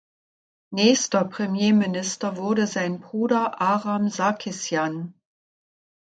Nächster Premierminister wurde sein Bruder Aram Sarkissjan.